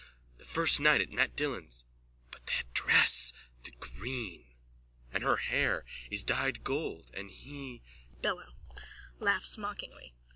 The first night at Mat Dillon's! But that dress, the green! And her hair is dyed gold and he... BELLO: _(Laughs mockingly.)